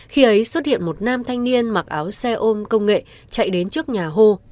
khi ấy xuất hiện một nam thanh niên mặc áo xe ôm công nghệ chạy đến trước nhà hô